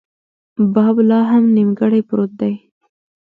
باب لا هم نیمګړۍ پروت دی.